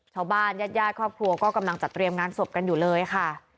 ญาติญาติครอบครัวก็กำลังจัดเตรียมงานศพกันอยู่เลยค่ะ